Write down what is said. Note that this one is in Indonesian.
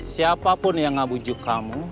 siapapun yang ngebujuk kamu